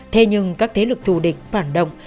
thế nhưng các thế lực thù địch bản động